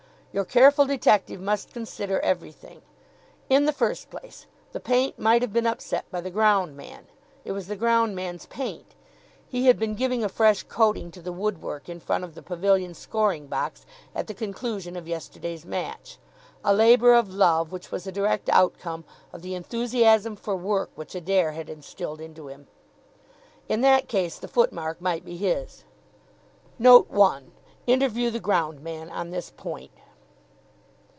Your careful detective must consider everything. In the first place, the paint might have been upset by the ground man. It was the ground man's paint. He had been giving a fresh coating to the wood work in front of the pavilion scoring box at the conclusion of yesterday's match. (A labour of love which was the direct outcome of the enthusiasm for work which Adair had instilled into him.) In that case the foot mark might be his. Note one: Interview the ground man on this point.